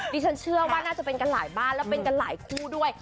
ดิฉันเชื่อว่าน่าจะเป็นกันหลายบ้านแล้วเป็นกันหลายคู่ด้วย